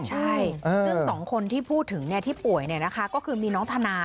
ใช่ซึ่ง๒คนที่พูดถึงที่ป่วยก็คือมีน้องธนา